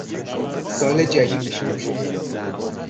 سال جدیدی شروع شده،